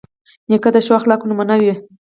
نیکه د ښو اخلاقو نمونه وي.